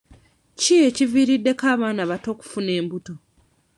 Ki ekiviiriddeko abaana abato okufuna embuto?